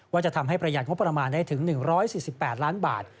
ว่าจะทำให้ประหยัดงบประมาณได้ถึง๑๔๘ล้านบาท